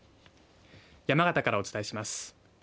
山形からお伝えします。